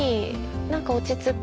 何か落ち着く。